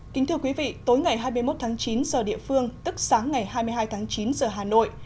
kính thưa quý vị tối ngày hai mươi một tháng chín giờ địa phương tức sáng ngày hai mươi hai tháng chín giờ hà nội